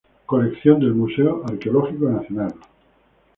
Colecciones del Museo Arqueológico Nacional".